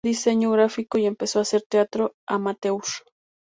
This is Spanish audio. Estudió diseño gráfico y empezó a hacer teatro amateur.